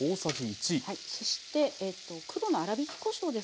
そして黒の粗びきこしょうですね。